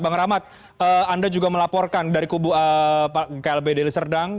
bang rahmat anda juga melaporkan dari klb dili serdang